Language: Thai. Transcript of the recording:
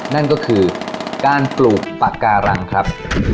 นั่นก็คือการปลูกปากการังครับ